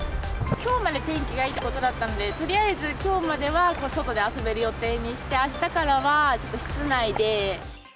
きょうまで天気がいいということだったんで、とりあえずきょうまでは外で遊べる予定にして、あしたからはちょっと室内で。